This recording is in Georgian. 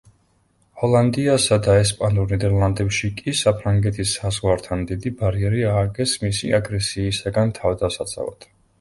ჰოლანდიასა და ესპანურ ნიდერლანდებში კი საფრანგეთის საზღვართან დიდი ბარიერი ააგეს მისი აგრესიისაგან თავდასაცავად.